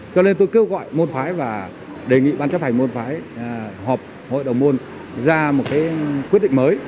cho nên tôi kêu gọi môn phái và đề nghị ban chấp thành môn phái hội đồng môn ra một quyết định mới